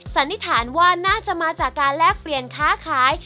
สันนิษฐานว่าน่าจะมาจากการแลกเปลี่ยนค้าขาย